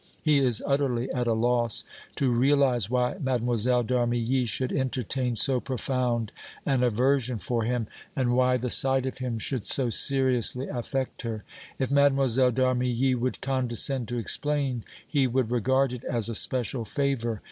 He is utterly at a loss to realize why Mlle. d' Armilly should entertain so profound an aversion for him, and why the sight of him should so seriously affect her. If Mlle. d' Armilly would condescend to explain, he would regard it as a special favor.